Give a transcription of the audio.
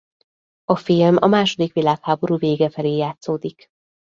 A film a második világháború vége felé játszódik.